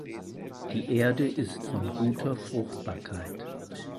Die Erde ist von guter Fruchtbarkeit.